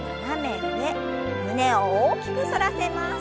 胸を大きく反らせます。